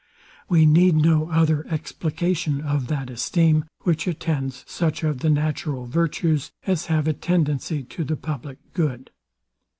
We need no other explication of that esteem, which attends such of the natural virtues, as have a tendency to the public good.